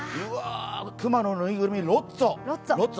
熊の縫いぐるみ、ロッツォ。